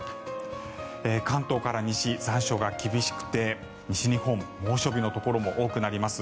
関東から西、残暑が厳しくて西日本、猛暑日のところも多くなります。